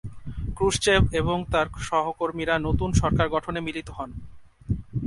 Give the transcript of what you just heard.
Khrushchev এবং তার সহকর্মীরা নতুন সরকার গঠনে মিলিত হন।